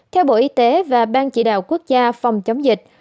theo bộ y tế và ban chỉ đạo quốc gia phòng chống dịch